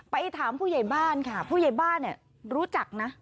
ไปถามผู้ใหญ่บ้านค่ะผู้ใหญ่บ้านเนี่ยรู้จักนะ